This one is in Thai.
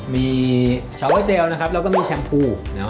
มีชาวอ้อยเจลนะครับแล้วก็มีแชมพู